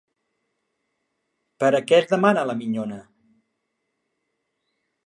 Per a què es demana la minyona?